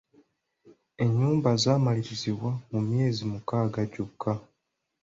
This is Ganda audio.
Ennyumba zaamalirizibwa mu myezi mukaaga gyokka.